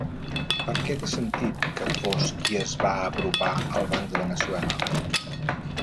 Perquè té sentit que fos qui es va apropar al banc de Veneçuela.